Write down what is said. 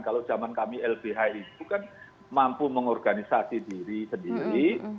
kalau zaman kami lbh itu kan mampu mengorganisasi diri sendiri